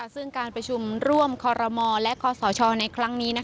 ซึ่งการประชุมร่วมคอรมอและคศในครั้งนี้